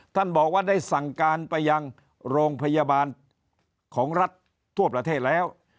ท่านบอกว่าได้สั่งการไปยังโรงพยาบาลของรัฐทั่วประเทศแล้ว